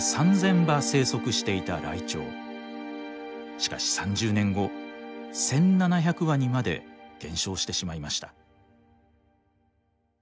しかし３０年後１，７００羽にまで減少してしまいました。